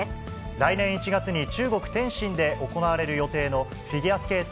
来年１月に中国・天津で行われる予定のフィギュアスケート